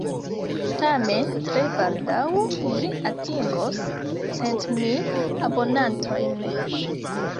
Tamen, tre baldaŭ, ĝi atingos centmil abonantojn.